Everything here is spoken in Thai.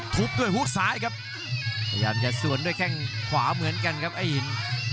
พยายามจะสวนด้วยแข่งขวาเหมือนกันครับไอ้หิน